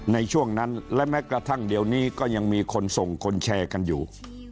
ในช่วงนั้นและแม้กระทั่งเดี๋ยวนี้ก็ยังมีคนส่งคนแชร์กันอยู่